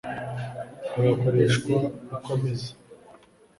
agakoreshwa uko ameze